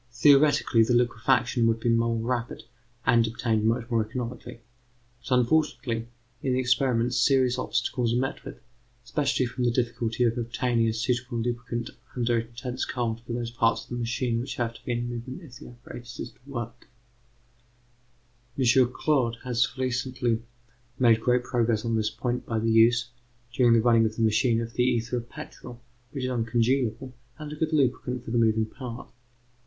Theoretically, the liquefaction would be more rapid, and obtained much more economically; but unfortunately in the experiment serious obstacles are met with, especially from the difficulty of obtaining a suitable lubricant under intense cold for those parts of the machine which have to be in movement if the apparatus is to work. M. Claude has recently made great progress on this point by the use, during the running of the machine, of the ether of petrol, which is uncongealable, and a good lubricant for the moving parts.